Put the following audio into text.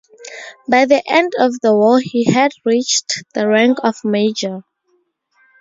By the end of the war he had reached the rank of major.